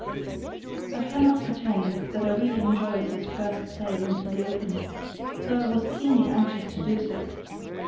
I cannot pretend that I really enjoyed this first sail into the open, though I was keenly anxious to do so.